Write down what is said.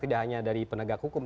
tidak hanya dari penegak hukum